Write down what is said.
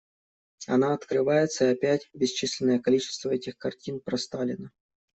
Она открывается и опять бесчисленное количество этих картин про Сталина.